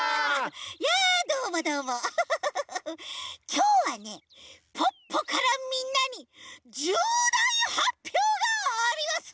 きょうはねポッポからみんなにじゅうだいはっぴょうがあります！